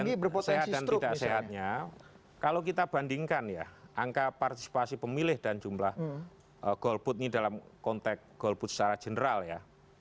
jadi begini kalau soal sehat dan tidak sehatnya kalau kita bandingkan ya angka partisipasi pemilih dan jumlah golput ini dalam konteks golput secara general ya